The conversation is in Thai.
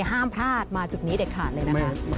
ห้ามพลาดมาจุดนี้เด็ดขาดเลยนะคะ